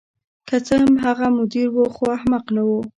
که څه هم هغه مدیر و خو احمق نه و